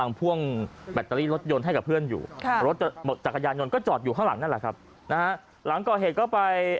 แล้วรถลุงเสียงใจค่ะ